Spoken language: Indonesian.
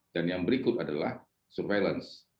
dan yang berikut adalah surveillance